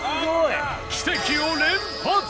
奇跡を連発！